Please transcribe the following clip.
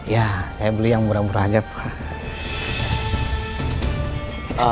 ya saya beli yang murah murah aja pak